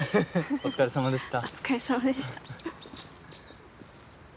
お疲れさまでした。